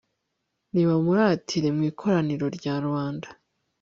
nibamuratire mu ikoraniro rya rubanda